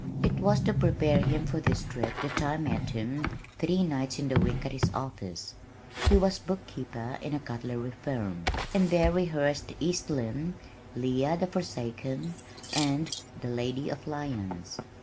It was to prepare him for this trip that I met him three nights in the week at his office (he was bookkeeper in a cutlery firm) and there rehearsed East Lynne, Leah the Forsaken, and The Lady of Lyons.